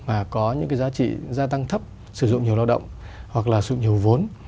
mà có những cái giá trị gia tăng thấp sử dụng nhiều lao động hoặc là sự nhiều vốn